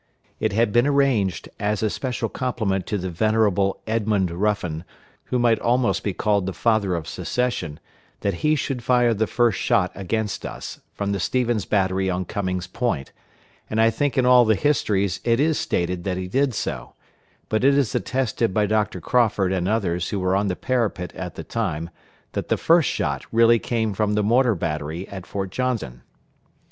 It had been arranged, as a special compliment to the venerable Edmund Ruffin, who might almost be called the father of secession, that he should fire the first shot against us, from the Stevens battery on Cummings Point, and I think in all the histories it is stated that he did so; but it is attested by Dr. Crawford and others who were on the parapet at the time, that the first shot really came from the mortar battery at Fort Johnson.